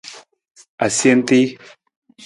Asentii.